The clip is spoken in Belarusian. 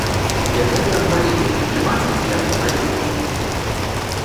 Якая там палітыка, няма там ніякай палітыкі.